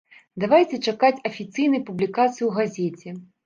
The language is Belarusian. Давайце чакаць афіцыйнай публікацыі ў газеце.